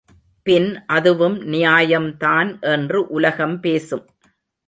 பின் அதுவும் நியாயம்தான் என்று உலகம் பேசும்.